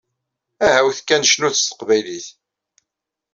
Aha-wet kan cnut s teqbaylit!